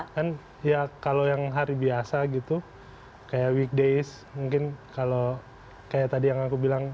kan ya kalau yang hari biasa gitu kayak weekdays mungkin kalau kayak tadi yang aku bilang